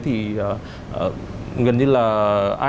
thì gần như là ai cũng có thể tìm ra những cái mẫu du thuyền hạng sang